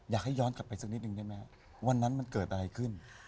อยากให้ย้อนกลับไปสักนิดนึงได้ไหมครับวันนั้นมันเกิดอะไรขึ้น